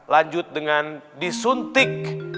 lanjut dengan disuntik